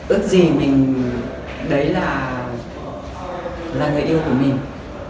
ước gì mình đấy là người yêu của mình